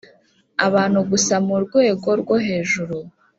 Abantu gusa mu rwego rwohejuru